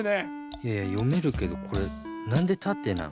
いやいやよめるけどこれなんでたてなん？